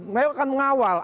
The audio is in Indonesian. mereka akan mengawal